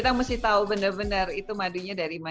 jadi kita mesti tahu benar benar itu madunya dari mana